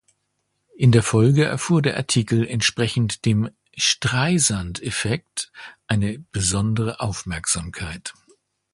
In der Folge erfuhr der Artikel entsprechend dem Streisand-Effekt eine besondere Aufmerksamkeit.